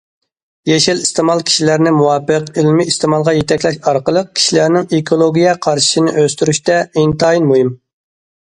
يېشىل ئىستېمال كىشىلەرنى مۇۋاپىق، ئىلمىي ئىستېمالغا يېتەكلەش ئارقىلىق كىشىلەرنىڭ ئېكولوگىيە قارىشىنى ئۆستۈرۈشتە ئىنتايىن مۇھىم.